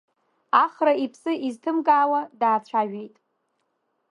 Ахра иԥсы изҭымкаауа даацәажәеит.